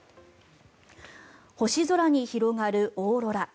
星空に広がるオーロラ。